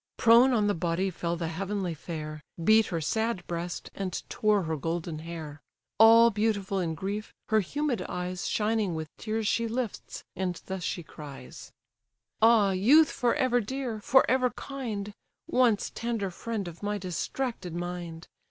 Prone on the body fell the heavenly fair, Beat her sad breast, and tore her golden hair; All beautiful in grief, her humid eyes Shining with tears she lifts, and thus she cries: "Ah, youth for ever dear, for ever kind, Once tender friend of my distracted mind!